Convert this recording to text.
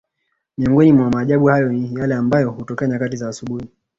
Miongoni mwa maajabu hayo ni yale ambayo hutokea nyakati za asubuhi